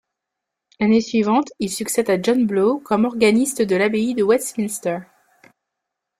L'année suivante, il succède à John Blow comme organiste de l'abbaye de Westminster.